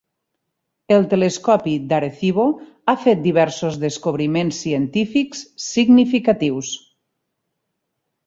El telescopi d'Arecibo ha fet diversos descobriments científics significatius.